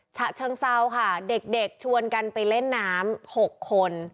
ฉะเชิงเซาค่ะเด็กชวนกันไปเล่นน้ำ๖คน